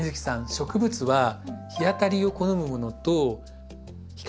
植物は日当たりを好むものと日陰でも育つもの